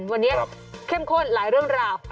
วันนี้เข้มข้นหลายเรื่องราว